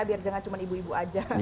biar jangan cuma ibu ibu aja